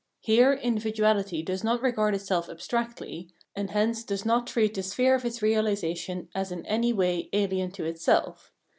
Here in dividuality does not regard itself abstractlj', and hence does not treat the sphere of its realisation as in any way alien to itself.